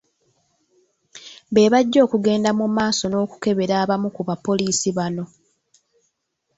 Be bajja okugenda mu maaso n’okukebera abamu ku bapoliisi bano.